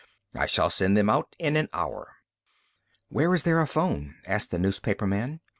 I shall send them out in an hour." "Where is there a phone?" asked the newspaperman.